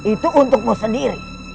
itu untukmu sendiri